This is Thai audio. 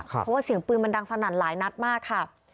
เพราะว่าเสียงปืนมันดังสนั่นหลายนัดมากค่ะ